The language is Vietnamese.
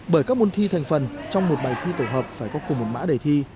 bởi các môn thi thành phần trong một bài thi tổ hợp phải có cùng một mã đề thi